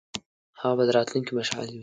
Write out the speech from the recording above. هغه به د راتلونکي مشعل وي.